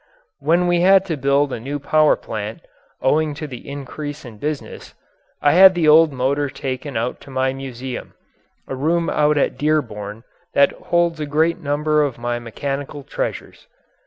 When we had to build a new power plant, owing to the increase in business, I had the old motor taken out to my museum a room out at Dearborn that holds a great number of my mechanical treasures.